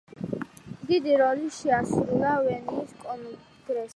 დიდი როლი შეასრულა ვენის კონგრესზე.